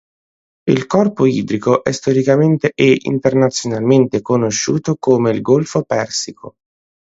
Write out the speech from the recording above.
Il corpo idrico è storicamente e internazionalmente conosciuto come il "Golfo Persico".